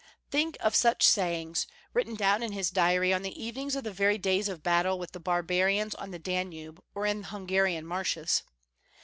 Think of such sayings, written down in his diary on the evenings of the very days of battle with the barbarians on the Danube or in Hungarian marshes!